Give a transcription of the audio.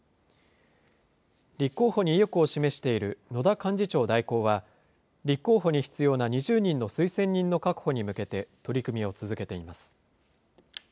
立候補に意欲を示している野田幹事長代行は、立候補に必要な２０人の推薦人の確保に向けて、取り組みを続けています。